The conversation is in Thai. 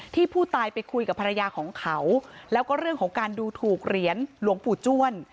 ที่ผู้ตายไปคุยกับภรรยาของเขาแล้วก็เรื่องของการดูถูกเหรียญหลวงปู่จ้วน